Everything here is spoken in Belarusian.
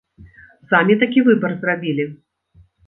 Самі такі выбар зрабілі?